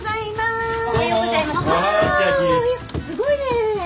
すごいね。